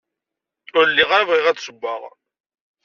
Ur lliɣ ara bɣiɣ ad d-ssewweɣ.